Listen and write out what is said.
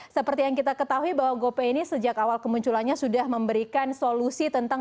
seperti yang kita ketahui bahwa gopay ini sejak awal kemunculannya sudah memberikan solusi tentang